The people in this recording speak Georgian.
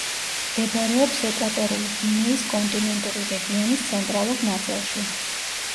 მდებარეობს ეკვატორული გვინეის კონტინენტური რეგიონის ცენტრალურ ნაწილში.